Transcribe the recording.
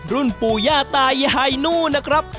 รุ่นปู่ย่าตายายนูนะครับ